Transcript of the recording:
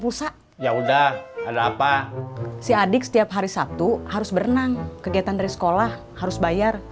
pusat ya udah ada apa si adik setiap hari sabtu harus berenang kegiatan dari sekolah harus bayar